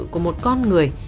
của một con người